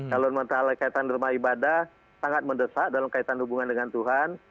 kalau masalah kaitan rumah ibadah sangat mendesak dalam kaitan hubungan dengan tuhan